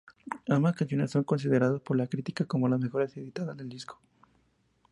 Ambas canciones son consideradas por la crítica como las mejores editadas del disco.